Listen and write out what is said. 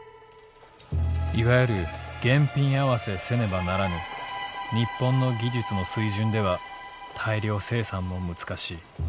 「いわゆる現品合せせねばならぬ日本の技術の水準では大量生産もむつかしい。